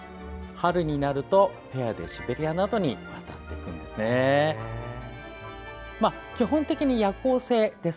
春になるとペアでシベリアなどに渡っていくんです。